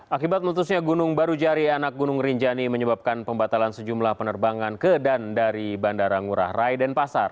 akibat meletusnya gunung baru jari anak gunung rinjani menyebabkan pembatalan sejumlah penerbangan ke dan dari bandara ngurah rai dan pasar